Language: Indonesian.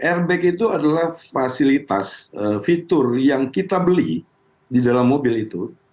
airbag itu adalah fasilitas fitur yang kita beli di dalam mobil itu